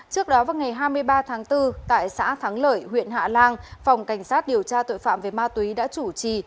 trước đó vào ngày hai mươi ba tháng bốn tại xã thắng lợi huyện hạ lan phòng cảnh sát điều tra tội phạm về ma túy đã chủ trì